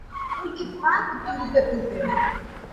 Oikepa koty rypepýpe.